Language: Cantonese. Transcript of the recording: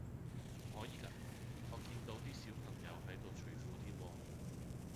唔可以㗎？我見到啲小朋友喺度除褲添喎